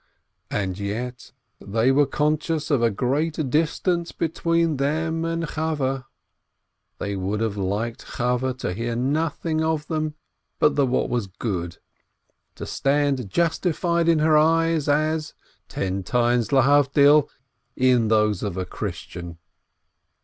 And yet they were conscious of a great distance between them and Chaweh. They would have liked Chaweh to hear nothing of them but what was good, to stand justified in her eyes as (ten times lehavdil) in those of a Christian.